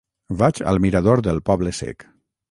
Vaig al mirador del Poble Sec.